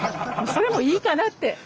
それもいいかなって。